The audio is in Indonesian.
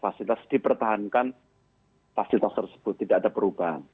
fasilitas dipertahankan fasilitas tersebut tidak ada perubahan